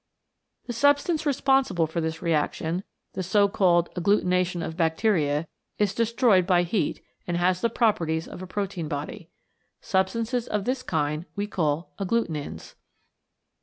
The substance responsible for this reaction, the so called Agglutination of Bacteria, is destroyed by heat and has the properties of a protein body. Substances of this kind we call Agglutinins.